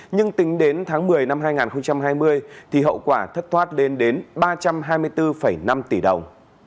nhưng tính đến tháng một mươi năm hai nghìn hai mươi thì hậu quả thất thoát lên đến ba trăm hai mươi bốn năm tỷ đồng